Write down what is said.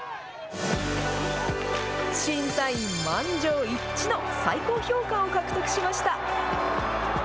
審査員満場一致の最高評価を獲得しました。